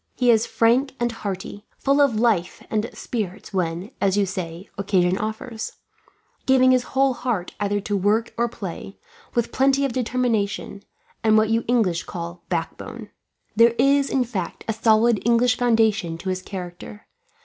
He is frank and hearty, full of life and spirits when, as you say, occasion offers; giving his whole heart either to work or play, with plenty of determination, and what you English call backbone. There is, in fact, a solid English foundation to his character.